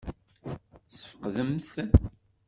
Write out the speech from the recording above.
Tesfeqdem-t?